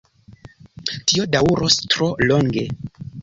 Tio daŭros tro longe!